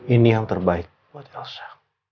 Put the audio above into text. ini yang terbaik buat elsa